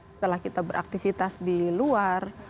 setelah kita beraktivitas di luar